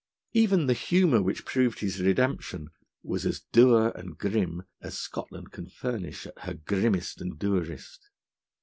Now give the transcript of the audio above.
Even the humour, which proved his redemption, was as dour and grim as Scotland can furnish at her grimmes: and dourest.